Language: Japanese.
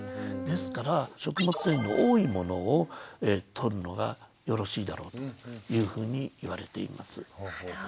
ですから食物繊維の多いものをとるのがよろしいだろうというふうに言われています。